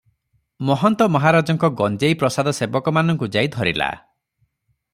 ମହନ୍ତ ମହାରାଜଙ୍କ ଗଞ୍ଜେଇ ପ୍ରସାଦସେବକମାନଙ୍କୁ ଯାଇ ଧରିଲା ।